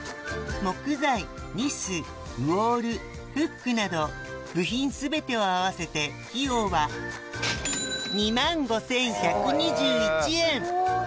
木材ニスウォールフックなど部品全てを合わせて費用は今後は。